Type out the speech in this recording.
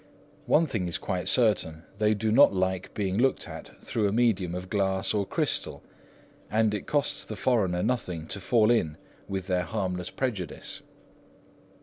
One thing is quite certain: they do not like being looked at through a medium of glass or crystal, and it costs the foreigner nothing to fall in with their harmless prejudice.